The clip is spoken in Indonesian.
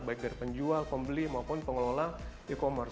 baik dari penjual pembeli maupun pengelola e commerce